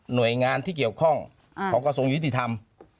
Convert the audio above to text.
หน่วยงานที่เกี่ยวข้องของกระทรวงยุติธรรม